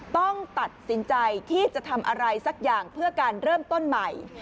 ต้องตัดสินใจที่จะทำอะไรสักอย่างเพื่อการเริ่มต้นใหม่